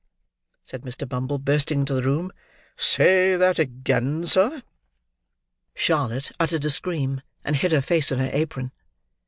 said Mr. Bumble, bursting into the room. "Say that again, sir." Charlotte uttered a scream, and hid her face in her apron. Mr.